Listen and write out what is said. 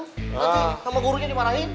nanti sama gurunya dimarahin